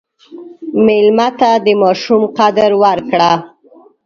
مېلمه ته د ماشوم قدر ورکړه.